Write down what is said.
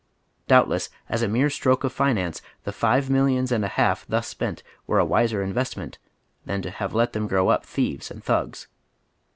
Doubtless, as a mere stroke of finance, the five millions and a half tJius spent were a wiser investment than to have let them grow up thieves and thugs.